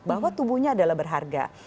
bahwa tubuhnya adalah berharga